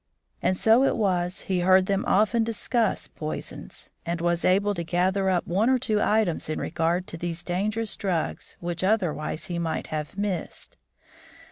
And so it was he heard them often discuss poisons, and was able to gather up one or two items in regard to these dangerous drugs which otherwise he might have missed.